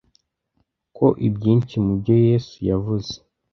ko ibyinshi mu byo yesu yavuze